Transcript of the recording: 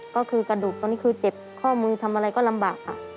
ก็คือกระดูกตอนนี้คือเจ็บข้อมือทำอะไรก็ลำบากค่ะ